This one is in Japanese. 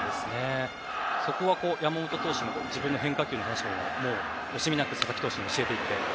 山本投手も自分の変化球に関しては惜しみなく佐々木投手に教えていって？